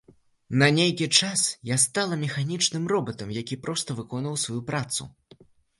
На нейкі час я стала механічным робатам, які проста выконваў сваю працу.